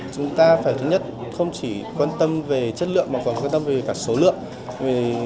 chúng ta phải thứ nhất không chỉ quan tâm về chất lượng mà còn quan tâm về cả số lượng